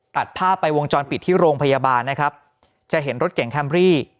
ตัดภาพไปวงจรปิดที่โรงพยาบาลนะครับจะเห็นรถเก่งแคมรี่